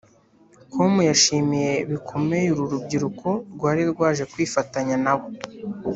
com yashimiye bikomeye uru rubyiruko rwari rwaje kwifatanya nabo